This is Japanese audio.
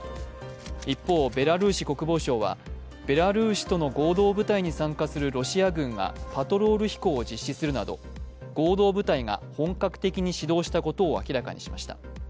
一方、ベラルーシ国防省はベラルーシとの合同部隊に参加するロシア軍がパトロール飛行を実施するなど合同舞台が本格的に始動したことを明らかにしました。